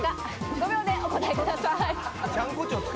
５秒でお答えください。